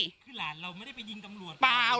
คือหลานเราไม่ได้ไปยิงตำรวจเปล่า